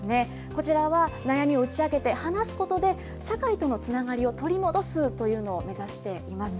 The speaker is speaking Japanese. こちらは、悩みを打ち明けて話すことで、社会とのつながりを取り戻すというのを目指しています。